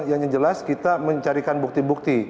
yang jelas kita mencarikan bukti bukti